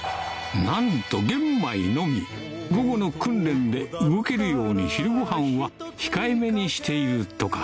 なんと午後の訓練で動けるように昼ごはんは控えめにしているとか